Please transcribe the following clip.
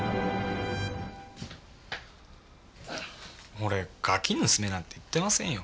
俺ガキ盗めなんて言ってませんよ。